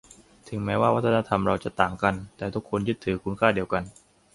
ถึงแม้ว่าวัฒนธรรมเราจะต่างกัน แต่ทุกคนยึดถือคุณค่าเดียวกัน